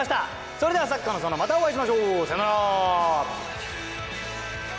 それでは「サッカーの園」またお会いましょう。さようなら！